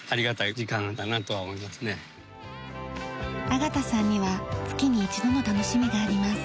阿形さんには月に一度の楽しみがあります。